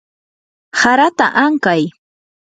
harata ankay.